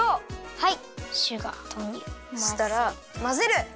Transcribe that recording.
はい！